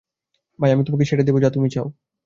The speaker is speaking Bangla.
তাই আমি তোমাকে সেটাই দিব যা তুমি চাও।